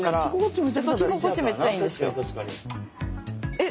えっ？